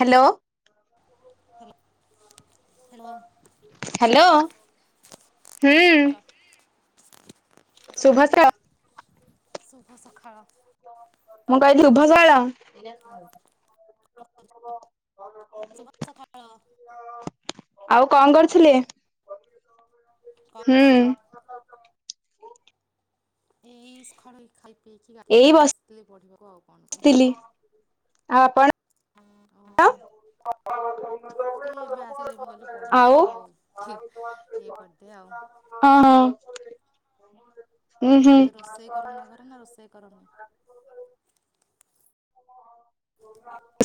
Hello. Hello hello. Hello ହୁଁ। କଣ କରୁଛ? ଶୁଭଦ୍ରା ଶୁଭସଖାଳ। ମଁ କହିଲ୍ ଉଠ ଜହଲ? ଶୁଭସକାଳ। ଆଉ କଣ କରୁଥିଲେ? କଣ ହୁଁ। କରୁଛ? ଏଇ ସକାଳୁ ଖାଇ ପିଇକି ଏଇ ଗାଧେଇକି ଆସିଥିଲି ପଢିବାକୁ ଆଉ କଣ ବସିଥିଲି କରିବି? ଆଉ ଆପଣ? ଉ ହଁ। ସେ ଏବେ ଆସିଲି ମୁଁ କହିଲି ପଢ଼ିବି ତ ଆଉ ଇଏ କରିଦିଏ ଆଉ। ହଁ ହଁ। ହୁଁ ହୁଁ ରୋଷେଇ କର ନକର ନା ରୋଷେଇ କରନି?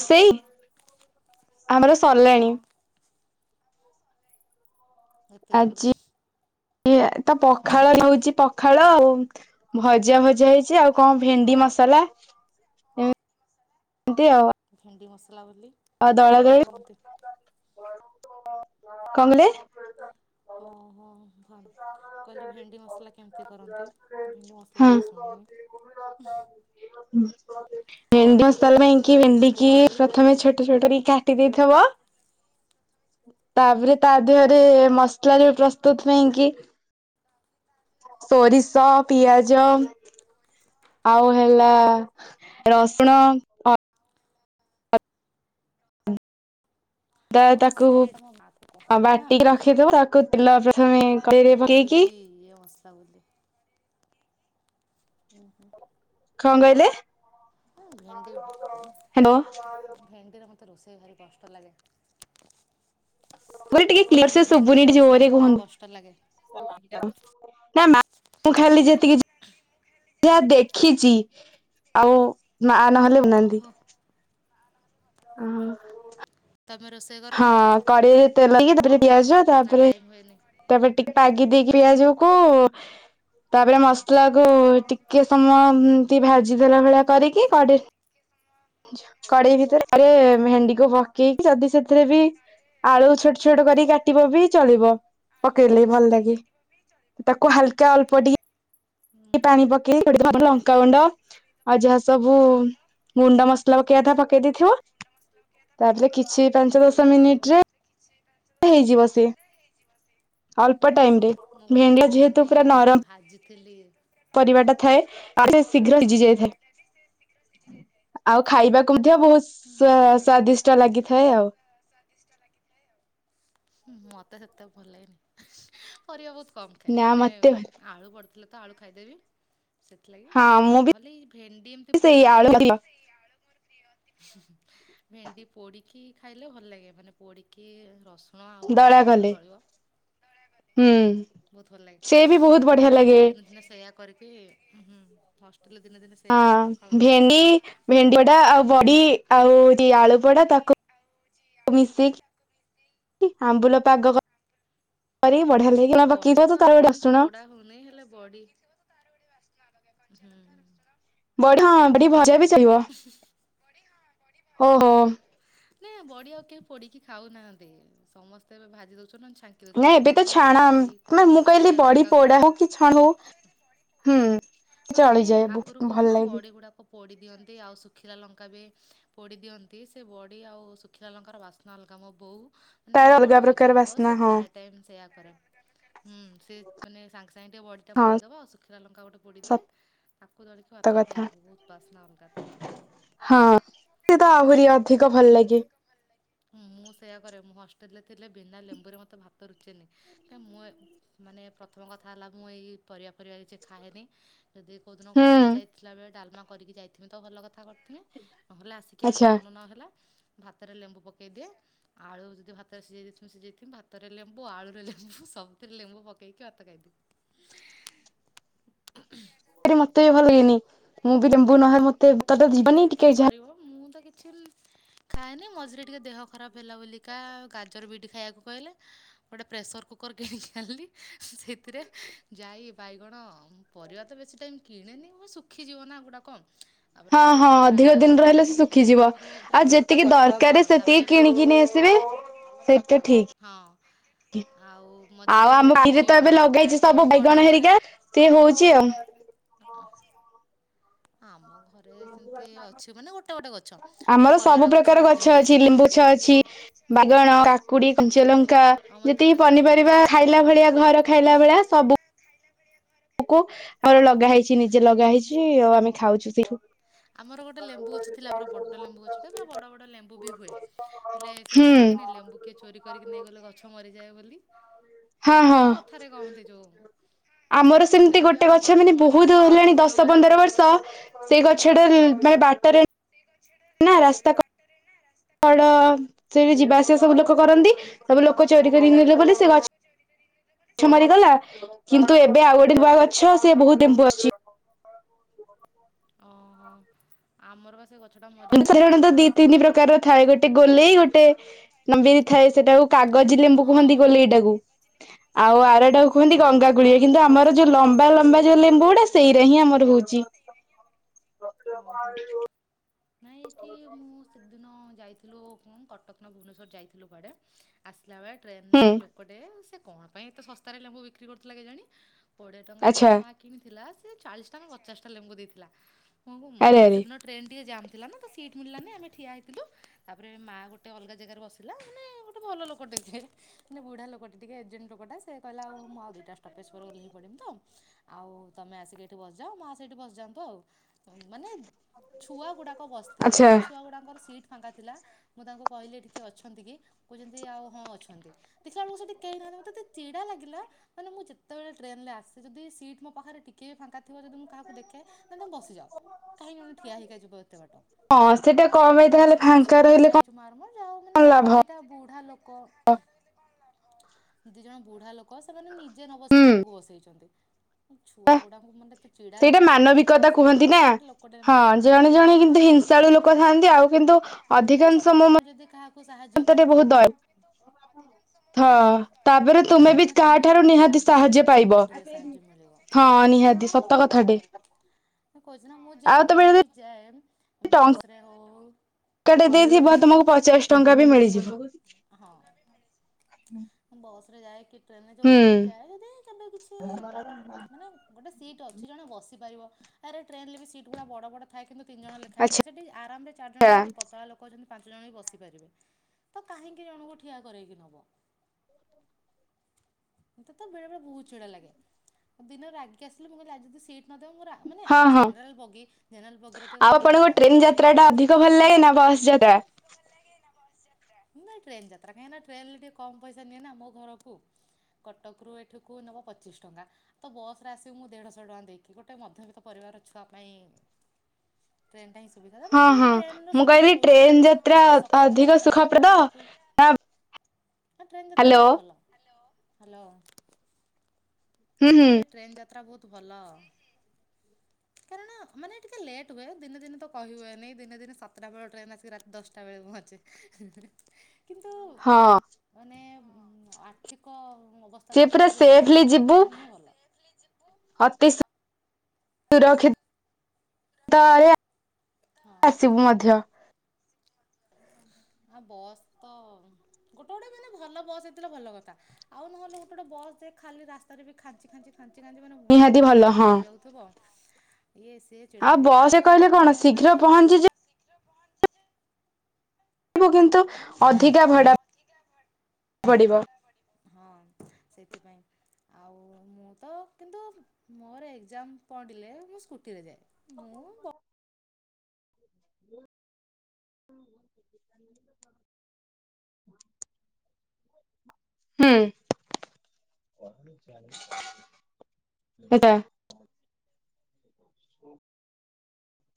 ସେଇ ଆମର ହଁ ସରିଲାଣି। ଏତେ ଜଲ୍ଦି ଆଜି ଇ ତ ପଖାଳ ହେଉଛି ପଖାଳ ଆଉ ଭଜା ଭଜାଆ ହେଇଛି ଆଉ କଣ ଭେଣ୍ଡି ମସଲା। ଏମ ତି ଆଉ। ଭେଣ୍ଡି ମସଲା ବୋଲି ଆ କେମିତି ଦଳାଦଳି କରନ୍ତି? କଣ କହିଲେ। ଓହୋ। ଭଲ କହିଲେ ଭେଣ୍ଡି ମସଲା କେମିତି କରନ୍ତି ଭେଣ୍ଡି ମସଲା ହଁ କେବେ ଶୁଣିନି। ଭେଣ୍ଡି ମସଲା ପାଇଁ କି କେମିତି ଭେଣ୍ଡିିକି କରନ୍ତି? ପ୍ରଥମେ ଛୋଟ ଛୋଟକରିକି କା ଟି ଦେଇଥବ ତାପରେ ତା ଦେହରେ ମସଲାରେ ପ୍ରସ୍ତୁତ ପାଇଁଁକି ସୋରିଷ ପିଆଜ ଆଉ ହେଲା ରସୁଣ ତ ଓ ତାକୁ ସେଇ ତମ ମା କୁ କହ ନା। ବାଟିକି ରଖିଦବ ତାକୁ ତେଲ ପ୍ରଥମେ କଡେଇରେ ମୁଁ ପକେଇକି ଭାବିଲି ଇଏ ମସଲା ବୋଲି। ହୁଁ ହୁଁ। କଣ କହିଲେ। ହଁ ଭେଣ୍ଡି ହ୍ୟାଲୋ ଭେଣ୍ଡିରେ ମୋତେ ରୋଷେଇ ଭାରି କଷ୍ଟ ଲାଗେ। ମୁଁ କହିଲି ଟିକେ କ୍ଲିୟର କହିଲେ ସେ ଶୁଭୁନି ଭେଣ୍ଡିରେ ଟିକି ରୋଷେଇ ଜୋରରେ ମୋତେ ଭାରି କଷ୍ଟ ଲାଗେ କୁହନ୍ତୁ। ନା ମା ମୁ ଏ ଖାଲି ଯେତିକି [unintelligible] ଦେଖିଛି ଆଉ ମା ନହେଲେ ବନାନ୍ତି। ଓହୋ ହଁ। ତମେ ରୋଷେଇ କରନି କି। କେଡେଇରେ ତେଲ ଦେଇକି ତାପରେ ପିଆଜ ନା ତାପରେ ଟାଇମ୍ ହୁଏନି ତାପରେ ଟିକେ ପାଗି ଦେଇକି ପିଆଜ କୁ ତାପରେ ମସଲା କୁ ଟିକେ ସମୟ ଏମତି ଭାଜି ଦେଲା ଭଳିଆ କରିକି କ କଡେଇ ଭିତରେରେ ଭେଣ୍ଡିକୁ ପକେଇକି ଯଦି ସେଥିରେ ବି ଆଳୁ ଛୋଟ ଛୋଟ କରି କାଟିବ ବି ଚଳିବ ପକେଇଲେ ଭଲ ଲାଗେ। ତାକୁ ହାଲକା ଅଳ୍ପ ଟିକେ ଉଁ ହୁଁ। ପାଣି ପକେଇ ଲଙ୍କାଗୁଣ୍ଡ ଆଉ ଯାହା ସବୁ ଗୁଣ୍ଡ ମସଲା ପକେଇବାକଥା ପକେଇ ଦେଇେଇଥିବ। ତାପରେ କିଛି ପାଞ୍ଚ ଦଶ ମିନିଟ ରେ ସେଇ ପାଞ୍ଚ ହେଇଯିବ ସିଏ ଅଳ୍ପ ଟାଇମ ରେ। ମୁଁ ଗୋଟେ ଥର ଭେଣ୍ଡିଆ ଭେଣ୍ଡି ଭାଜିଥିଲି। ପରିବା ଟା ଥାଏ ଆଉ ସେ ଶୀଘ୍ର ହଁ। ସିଜି ଯାଇଥାଏ। ଆଉ ଖାଇବାକୁ ମଧ୍ୟ ବହୁତ ସ୍ଵ ସ୍ୱାଦିଷ୍ଟ ଲାଗିଥାଏ ଆଉ। ସ୍ଵାଦିଷ୍ଟ ଲାଗିଥାଏ ଆଉ। ମୋତେ ସେତେ ଭଲ ଲାଗେନି ପରିବା ବହୁତ କମ୍ ଖାଏ ନା ମାନେ ମତେ ଆଳୁ ପଡ଼ିଥିଲା ତ ଆଳୁ ଖାଇଦେବି। ସେଥିଲାଗି ହଁ ମୁଁ ବି ନହେଲେ ଏ ଭେଣ୍ଡି ଏମିତି ସେଇ ପୋଡ଼ିକି ଆଳୁ ଭେଣ୍ଡି ପୋଡିକି ଖାଇଲେ ଭଲ ଲାଗେ ମାନେ ପୋଡିକି ରସୁଣ ଆଉ ଦଳା ଆମ୍ବୁଲ ଦେଇକି କଲେ ଦଳିବ। ହୁଁ ବହୁତ ଭଲ ଲାଗେ ସେ ବି ବହୁତ ଆମେ ବଢିଆ ଲାଗେ ହଷ୍ଟେଲରେ ଦିନେ ଦିନେ ସେୟା କରିକି ହୁଁ ହଷ୍ଟେଲରେ ଦିନେ ଦିନେ ସେଇୟା କରିକି ହଁ ପଖାଳକୁ ଖାଇଦଉ। ଭେଣ୍ଡି ଭେଣ୍ଡି ପଡା ଆଉ ବଡି ଆଉ ଆଳୁ ପଡା ତାକୁ ମିଶେଇକି କି ଆମ୍ବୁଲ ପାଗ କରିକି ବଢିଆ ଲାଗେ। ବଡି ପକେଇଥିବ ତ ତାର ଆଉ ଗୋଟେ ଏମତି ରସୁଣ ପୋଡା ହଉନେଇ ହେଲେ ବଡି ସେ ତାର ଗୋଟେ ବାସ୍ନା ଅଲଗା କଞ୍ଚାଲଙ୍କା ରସୁଣ। ବଢ ବଢ଼ି ଭଜା ବି ସରିବ ହୋ ହୋ। ନାଇଁ ଆଉ ବଢ଼ି ଆଉ କିଏ ପୋଡ଼ି କି ଖାଉନାହାନ୍ତି, ସମସ୍ତେ ଏବେ ଭାଜି ଦଉଛନ୍ତି ନ ବାଙ୍କି ଦଉଛନ୍ତି। ନାଇଁ ଏବେ ଆଗରୁ ତ ନହେଲେ ଛାଣା ବଢ଼ି କୁ ନା ଆଉ ମୁଁ କହିଲି ଶୁଖିଆ ବଢି ଲଙ୍କା କୁ ପୋଡା ହଁ ହଉ କି ଛଣା ହଉ ହୁଁ ମାନେ ଚଳିଯାଏ ଆଗରୁ ଭଲ କହୁଛି ନା ଲାଗେ ବଢ଼ି ଗୁଡ଼ାକ ପୋଡ଼ି ଦିଅନ୍ତି ଆଉ ଶୁଖିଲା ଲଙ୍କା ବି ପୋଡ଼ି ଦିଅନ୍ତି ସେ ବଡ଼ି ଆଉ ଶୁଖ ଶୁଖିଲା ଲଙ୍କାର ବାସ୍ନା ଅଲଗା ମୋ ବୋଉ ମାନେ ମୋ ତାର ବଡ଼ ଅଲଗା ବୋଉ ପ୍ରକାର ଯିଏ ହେବ, ବାସ୍ନା ସେ ହଁ ପ୍ରାୟ ଟାଇମ ସେଇୟା କରେ ହୁଁ ସେ ମାନେ ସାଙ୍ଗେ ସାଙ୍ଗେ ଟିକେ ବଢ଼ି ଟା ପୋଡ଼ି ହଁ ଦବ ଆଉ ଶୁଖିଲା ଲଙ୍କା ଗୋଟେ ପୋଡ଼ି ଦିଏ ତାକୁ ଦଳିକି ସତ ଭାତ କଥା ଖାଇବୁ ବହୁତ ବାସ୍ନା ଅଲଗା ତାର। ହଁ ସେ ତ ଆହୁରି ଅଧିକ ଭଲ ଲାଗେ। ମୁଁ ସେଇୟା କରେ ମୁଁ ହଷ୍ଟେଲ ରେ ଥିଲେ ବିନା ଲେମ୍ବୁରେ ମତେ ଭାତ ରୁଚେନି। ଏ ମୁଁ ମାନେ ପ୍ରଥମ କଥା ହେଲା ମୁଁ ଏଇ ପରିବା ପରିବା କିଛି ଖାଏନି। ଯଦି କୋଉଦିନ ହୁଁ କଲେଜ ଯାଇଥିଲା ବେଳେ ଡାଲମା କରିକି ଯାଇଥିମି ତ ଭଲ କଥା କରିଥିନେ ନହେଲେ ଆସିକି ଆଉ ଯଦି ଆଚ୍ଛା ମନ ନହେଲା ଭାତରେ ଲେମ୍ବୁ ପକେଇଦିଏ ଆଳୁ ଯଦି ଭାତରେ ସିଝାଇ ଦେଇଥିବ ସିଝାଇ ଥିବୁ ଭାତରେ ଲେମ୍ବୁ, ଆଳୁ ରେ ମୁଁ ସବୁଥିରେ ଲେମ୍ବୁ ପକେଇକି ଭାତ ଖାଇ ଦିଏ। ମତେ ବି ଭଲ ହେଇନି ମୁଁ ବି ଲେମ୍ବୁ ନହେ ମତେ ଭାତ ତ କିଏ ଯିବନି ଏତେ ଟିକେ କରିବ ମୁଁ ତ କିଛି ଖାଏନି ମଝିରେ ଟିକେ ଦେହ ଖରାପ ହେଲା ବୋଲିକା ଗାଜର, ବିଟ୍ ଖାଇବାକୁ କହିଲେ ଗୋଟିେ ପ୍ରେସର କୁକର୍ କିଣିକି ଆଣିଲି ସେଥିରେ ଜାଇ, ବାଇଗଣ ପରିବା ତ ବେଶୀ ଟାଇମ୍ କିଣେନି ମୁଁ ଶୁଖିଯିବ ନା ଏଗୁଡ଼ାକ। ହଁ ହଁ ଅଧିକ ଦିନ ରହିଲେ ସେ ଶୁଖିଯିବ ଆଗରୁ ଆଉ ଯେତିକି ହଁ ଦରକାର ତାପରେ ସେତିକି କିଣିକି ନେଇ ଆସିବେ ସେଇଟା ଠିକ୍। ହଁ। ଆଉ ମଝିରେ ଆଉ ଆମ ମାନେ [unintelligible] ତ ଜିଓ ଏବେ ମାର୍ଟରୁ ପ୍ରାୟ ଲଗାହେଇଛି ଟାଇମ୍ ସବୁ ମୁଁ ବାଇଗଣ ଅର୍ଡ଼ର କରେ ହେରିକା ସିଏ ହଉଛି ଆଉ। [unintelligible] ଆମ ଘରେ ସେମିତି ଅଛି ମାନେ ଗୋଟେ ଗୋଟେ ଗଛ ଆମର ସବୁ କଲରା ପ୍ରକାର ଗୋଟେ ଗଛ ହେଲେ ଅଛି। ସେଥିରୁ ଲେମ୍ବୁ ଏମିତି ଗଛ ଅଛି ବାହାରେ। ବାଇଗଣ, କାକୁଡ଼ି, କଞ୍ଚ ଲଙ୍କା ଆଉ ମତେ ଗୋଟେ ଯେତିକି ଲେମ୍ବୁ ଗଛ ପନିପରିବା ଦବ ଆଉ। ଖାଇଲା ଭଳିଆ ଘର ଖାଇଲା ଭଳିଆ ସବୁ ଆମର ଲଗା ହେଇଛି ନିଜେ ଲଗା ହେଇଛି ଆଉ ଆମେ ଖାଉଛୁ ସେଇଠୁ। ଆମର ଗୋଟେ ଲେମ୍ବୁ ଗଛ ଥିଲା ପୁରା ବଡ଼ ଲେମ୍ବୁ ଗଛଟେ ପୁରା ବଡ଼ ବଡ଼ ଲେମ୍ବୁ ବି ହୁଏ ହେଲେ ସେ ହୁଁ କହନ୍ତିନି ଲେମ୍ବୁ କିିଏ ଚୋରି କରିକି ନେଇଗଲେ ଗଛ ମରିଯାଏ ବୋଲି ହଁ ହଁ ମାନେ କଥାରେ କହନ୍ତି ଯେଉଁ ଆମର ସେମିତି ଗୋଟେ ଗଛ ମାନେ ବହୁତ ପୁରା ହେଲାଣି ବଡ଼ ଦଶ ଗଛଟେ। ପନ୍ଦର ବର୍ଷ ସେଇ ଗଛ ଟା ମାନେ ବାଟରେ ସେ ଗଛଟା ମାନେ ବାଟରେ ନା ରାସ୍ତା ତ ସେଠି ଯିବା ଆସିବା ସବୁ ଲୋକ କରନ୍ତି ତାପରେ ଲୋକ ଚୋର କରିକି ନେଲେ ବୋଲି ସେ ଗଛ ଗଛ ମାରିଗଲା। କିନ୍ତୁ ଏବେ ଆଉ ଗୋଟେ ନୂଆ ଗଛ ସେ ବହୁତ ଲେମ୍ବୁ ଆସୁଛି। ଓହୋଃ ଆମର ପା ସେ ଗଛଟା ମରିଗଲା [unintelligible] ତ ତାପରେ ଦି ଆଉ ତିନି ଲଗେଇ ପ୍ରକାରର ନାହାନ୍ତି। ଥାଏ ଗୋଟେ ଗୋଲେଇ ଗୋଟେ ନମ୍ବିରି ଥାଏ ସେଟାକୁ କାଗଜ ହଁ। ଲେମ୍ବୁ କୁହନ୍ତି ଗୋଲେଇ ଟାକୁ। ଆଉ ଆର ଟାକୁ କୁହନ୍ତି ଗଙ୍ଗାକୂଳି କିନ୍ତୁ ଆମର ଯୋଉ ଲମ୍ବା ଲମ୍ବା ଯୋଉ ଲେମ୍ବୁ ଗୁଡ଼ା ସେଇରା ହିଁ ଆମର ହଉଛି। ଓହୋଃ ନାଇଁ ଏଠି ମୁଁ ସେ ଦିନ ଯାଇଥିଲୁ କଟକ ନା ଭୁବନେଶ୍ୱଵର ଯାଇଥିଲୁ କୁଆଡ଼େ ଆସିଲା ବେଳେ ଟ୍ରେନ ରେ ହୁଁ ଗୋଟେ ଲୋକ ଟେ ସେ କଣ ପାଇଁ ଏତେ ଶସ୍ତା ରେ ଲେମ୍ବୁ ବିକ୍ରି କରୁଥିଲା କେଜାଣି? କୋଡ଼ିଏ ଟଙ୍କାରେ ନା ଆଚ୍ଛା ଗଣ ମା କିଣିଥିଲା ସେ ଚାଳିଶ ଟା ନା ପଚାଶଟା ଲେମ୍ବୁ ଦେଇଥିଲା ମୁୁଁ ଆରେ ଆରେ ସେଦିନ ଟ୍ରେନ୍ ଟିକେ ଜାମ୍ ଥିଲା ନା ତ ସିଟ୍ ମିଳିଲାନି ଆମେ ଠିଆ ହୋଇଇଥିଲୁ ତାପରେ ମାଆ ଗୋଟେ ଅଲଗା ଜାଗାରେ ବସି ପିଲା ମାନେ ଗୋଟେ ଭଲ ଲୋକଟେ କିଏ? ବୁଢା ଲୋକ ଟିକେ ଏଜେଡ଼୍ ଲୋକଟା ସେ କହିଲା ଆଉଁ ଆଉ ଦିଟା ଷ୍ଟପେଜ ପରେ ଓହ୍ଲେଇ ପଡ଼ିବି ତ ଆଉ ତମେ ଆସିକି ଏଇଠି ବସିଯାଅ ମା ସେଇଠି ବସି ଯାଆନ୍ତୁ ଆଉ ମାନେ ଛୁଆ ଗୁଡ଼ାକ ବସିଥିଲେ ଆଚ୍ଛା ସେ ଛୁଆ ଗୁଡ଼ାକର ସିଟ୍ ଫାଙ୍କା ଥିଲା। ମୁଁ ତାଙ୍କୁ କହିଲି ଏଠି କିଏ ଅଛନ୍ତି କି କହୁଛନ୍ତି ଆଉ ହଁ ଅଛନ୍ତି। ଦେଖିଲା ଆଳୁକୁ ସେଠି କେହି ନାହାନ୍ତି ମତେ ଏତେ ଚିଡ଼ା ଲାଗିଲା ମାନେ ମୁଁ ଯେତେବେଳେ ଟ୍ରେନ ରେ ଆସେ ଯଦି ସିଟ ମୋ ପାଖରେ ଟିକେ ବି ଫାଙ୍କା ଥିବ ଯଦି ମୁଁ କାହାକୁ ଦେଖେ ନା ତମେ ବସିଯାଅ। କାହିଁ ଏମ୍ ଠିଆ ହେଇକା ଯିବ ଏତେ ବାଟ। ହଁ ସେଟା କ ପାଇଁ ତାପରେ ତାହେଲେ ପୁଣି ଫାଙ୍କା ଆସିକି ରହିଲେ ଠିଆ ହେଇଛୁ ମାର ମୋର ଯା ହଉ କଣ ମାନେ ଲାଭ ଦିଟା ବୁଢା ଲୋକ ଦି ଜଣ ବୁଢା ଲୋକ ସେମାନେ ନିଜେ ନ ହୁଁ ବସିକି ଆମକୁ ବସେଇଚନ୍ତି। ଛୁଆ ଗୁଡାଙ୍କୁ ମତେ ଏତେ ଚିଡା ସେଇଟା ଲାଗିଲା ମତେ ସେଠି ମାନବିକତା ବସିଲା କୁହନ୍ତି ବେଳେ ନା। ଗୋଟେ ଲୋକଟେ ହଁ ଏମତି ଲେମ୍ବୁ ଜଣେ ବିକ୍ରି ଜଣେ କରୁଥିଲା କିନ୍ତୁ ହିଂସାଳୁ ଲୋକ ଥାଆନ୍ତି ଆଉ କିନ୍ତୁ ଆରେ ଅଧିକାଂଶ ସତ ମୋ କଥା ମୁଁ ଯଦି କାହା ସାହାଯ୍ୟ ମତରେ ବହୁତ କରିଥିବ। ଦୟ ହଁ ତାପରେ ତୁମେ ବି ନା ତମେ ଯଦି କାହାଠାରୁ କାହାକୁ ନିହାତି କରିଥିବ ସାହାଯ୍ୟ ତମକୁ ଯୋଉ ପାଇବ। ପଟେ ହେଲେ ସାହାଯ୍ୟ ମିଳିବ। ହଁ ନିହାତି ସତ କଥା ଟେ। କହୁଚି ନା ମୁଁ ଯେବେବି ଯାଏ ବସ ରେ ହଉ କେଟେ ଦେଇଥିବ ତମକୁ ପଚାଶ ଟଙ୍କା ବି ମିଳିଯିବ। ହଁ ମୁଁ ବସ ରେ ଯାଏ କି ଟ୍ରେନରେ ହୁଁ ଯଉଥିରେ ବି ଯାଏ ଯଦି କେବେ କିଛି ମାନେ ଗୋଟେ ସିଟ ଅଛି ଜଣେ ବସିପାରିବ ତାରେ ଟ୍ରେନରେ ବି ସିଟ୍ ଗୁଡା ବଡ ବଡ଼ ଥାଏ କିନ୍ତୁ ତିନ ଜଣ ଲେଖା ହେଇଥାଏ ସେଠି ଆରାମରେ ଚାରଜଣ ଆଚ୍ଛା। ଯଦି ପତଳା ଲୋ କ ଅଛନ୍ତି ପାଞ୍ଚ ଜଣ ହୀ ବସିପାରିବେ ତ କାହିଁକି ଜଣଙ୍କୁ ଠିଆ କରେଇକି ନବ। ମତେ ତ ବେଳେ ବେଳେ ବହୁତ ଚିଡ଼ା ଲାଗେ। ଦିନ ରାଗି ଆସିଲି ମୁଁ କହିଲି ଆଜି ଯଦି ସିଟ ନଦବ ମୁଁ ରା ମାନେ ହଁ ହଁ ଜେନେରାଲ ବଗି ଜେନେରାଲ ବଗିରେ ତ ଆଉ ତମର ଆପଣଙ୍କୁ ଟ୍ରେନ ମାନେ ଯାତ୍ରା ଟା ଅଧିକ ଟିକେଟ ଇଏ ଭଲ ନାହିଁ ଲାଗେ ନା ବସ୍ ଯାତ୍ରା? ନାଇଁ ଟ୍ରେନ ଯାତ୍ରା କାହିଁକି ନା ଟ୍ରେନ ରେ ଟିକେ କମ ପଇସା ନିଏ ନା ମୋ ଘରକୁ। କଟକରୁ ଏଠିକୁ ନେବ ପଚିଶ ଟଙ୍କା ତ ବସ୍ରେ ଆସିବି ମୁଁ ଦେଢ଼ଶହ ଟଙ୍କା ଦେଇକି ଗୋଟେ ମଧ୍ୟବିତ୍ତ ପରିବାର ଛୁଆ ପାଇଁ ଟ୍ରେନଟା ହିଁ ସୁବିଧା ତାପରେ ହଁ ଏଠି ବି ହଁ ଟ୍ରେନର ମୁଁ ସୁବିଧା କହିଲି ରହୁଛି ନା ଟ୍ରେନ ଯାତ୍ରା ଗୋଟେ ସକାଳ ଅଧିକ ଦଶଟା ସୁଖପ୍ରଦ ଏଗାରଟା ବେଳକୁ ନା ଟ୍ରେନ ଯାତ୍ରା ହ୍ୟାଲୋ ବହୁତ ଭଲ ହ୍ୟାଲୋ। ହୁଁ ମୁଁ ହୁଁ କହିଲି ଟ୍ରେନ୍ ଯାତ୍ରା ବହୁତ ଭଲ। କାରଣ ମାନେ ଟିକେ ଲେଟ ହୁଏ ଦିନେ ଦିନ ତ କହିହୁୁଏନି ଦିନେ ଦିନେ ସାତଟା ବେଳେ ଟ୍ରେନ୍ ଆସିକି ରାତି ଦଶଟା ବେଳେ ପହଞ୍ଚେ। କିନ୍ତୁ ହଁ ମାନେ ଆର୍ଥିକ ଅବସ୍ ସ୍ତା ସେ ପୁରା ଦୃଷ୍ଟିରୁ ସେଫଲି ଦେଖିଲେ ଯିବୁ ଟ୍ରେନ ହିଁ ଭଲ। ଅତି ସୁ ରକ୍ଷି ହଁ। ଆସିବୁ ମଧ୍ୟ ଆ ବସ୍ ତ ଗୋଟେ ଗୋଟେ ମାନେ ଭଲ ବସ୍ ହେଇଥିଲେ ଭଲ କଥା ଆଉ ନହେଲେ ଗୋଟେ ଗୋଟେ ବସ ଯେ ଖାଲି ରାସ୍ତାରେ ବି ଖାଞ୍ଚି ଖାିଞ୍ଚି ଖା ଞ୍ଚି ଖାଞ୍ଚି ମାନେ ମୁଣ୍ଡ ନିହାତି ଫୁଣ୍ଡ ଭଲ କଣ ହଁ ହେଇଯାଉଥିବ ଇଏ ସିଏ ଚିଡ଼ା ଆଉ ଲାଗେ ବସ ରେ ତାଠୁ ତ କହିଲେ ଭଲ କଣ ମୁଁ ଶୀଘ୍ର ମାନେ ପହଞ୍ଚିଯିବୁ ମୁଁ କିନ୍ତୁ ଅଧିକା ଭଡା ପଡିବ ହଁ ସେଥିପାଇଁ। ଆଉ ମୁଁ ତ କିନ୍ତୁ ମୋର ଏଗଜାମ୍ ପଡ଼ିଲେ ମୁଁ ସ୍କୁଟିରେ ଯାଏ। ମୁଁ ବ ଆ ହୁଁ। ଏଟା